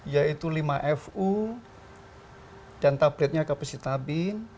yaitu lima fu dan tabletnya kapasitabin